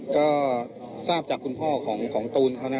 ก็ทราบจากคุณพ่อของตูนเขานะ